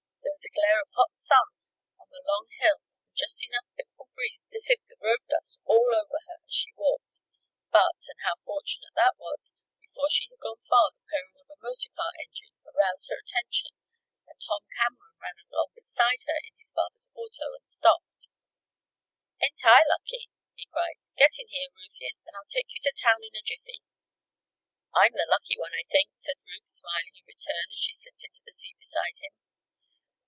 There was a glare of hot sun on the long hill and just enough fitful breeze to sift the road dust all over her as she walked. But and how fortunate that was! before she had gone far the purring of a motor car engine aroused her attention and Tom Cameron ran along beside her in his father's auto and stopped. "Ain't I lucky?" he cried. "Get in here, Ruthie, and I'll take you to town in a jiffy." "I'm the lucky one, I think," said Ruth, smiling in return as she slipped into the seat beside him.